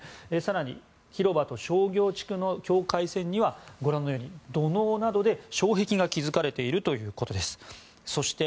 更に、広場と商業地区の境界線には土のうなどで障壁が築かれているということです。